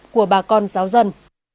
của bà con giáo dân